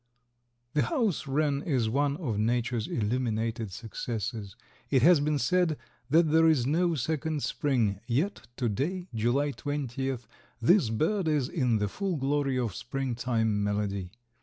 The house wren is one of Nature's illuminated successes. It has been said that there is no second spring, yet to day (July 20th) this bird is in the full glory of spring time melody.